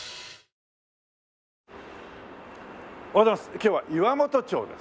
今日は岩本町です。